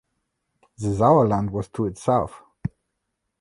The Sauerland was to its south.